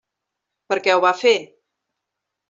Per què ho va fer?